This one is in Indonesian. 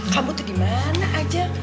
kamu tuh dimana aja